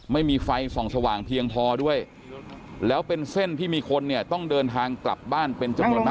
ไม่มีไฟส่องสว่างเพียงพอด้วยแล้วเป็นเส้นที่มีคนเนี่ยต้องเดินทางกลับบ้านเป็นจำนวนมาก